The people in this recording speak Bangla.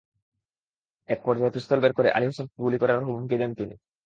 একপর্যায়ে পিস্তল বের করে আলী হোসেনকে গুলি করার হুমকি দেন তিনি।